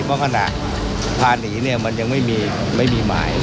เพราะขณะพาหนีเนี่ยมันยังไม่มีหมาย